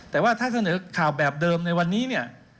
แต่ว่าถ้าเสนอข่าวแบบเดิมในวันนี้เนี่ย